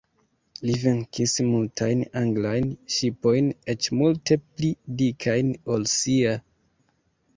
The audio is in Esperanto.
Li venkis multajn anglajn ŝipojn, eĉ multe pli dikajn ol sia.